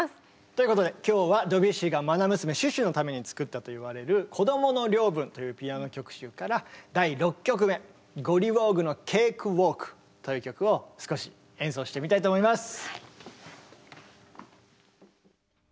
ということで今日はドビュッシーが愛娘シュシュのために作ったといわれる「こどもの領分」というピアノ曲集から第６曲目「ゴリウォーグのケークウォーク」という曲を少し演奏してみたいと思います。